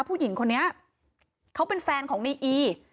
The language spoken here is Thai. ผู้หญิงคนนี้เขาเป็นแฟนของในอี